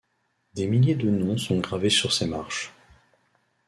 Des milliers de noms sont gravés sur ses marches.